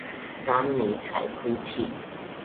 當尼采哭泣